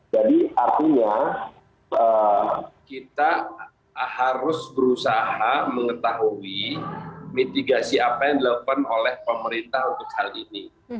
jadi artinya kita harus berusaha mengetahui mitigasi apa yang dilakukan oleh pemerintah untuk hal ini